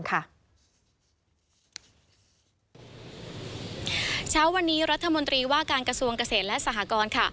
เช้าวันนี้รัฐมนตรีว่าการกระทรวงเกษตรและสหกร